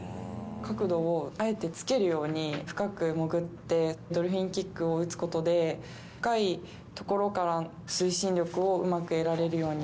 角度をあえてつけるように、深く潜ってドルフィンキックを打つことで、深いところからの推進力をうまく得られるように。